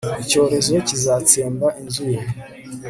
icyorezo kizatsemba inzu ye